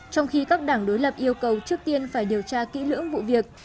trong khi các đảng đối lập yêu cầu trước tiên phải điều tra kỹ lưỡng vụ việc